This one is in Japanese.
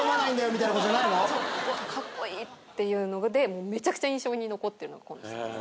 うわっカッコイイっていうのでめちゃくちゃ印象に残ってるのが今野さんです。